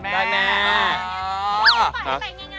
มาให้ไปง่ายหรือเปล่า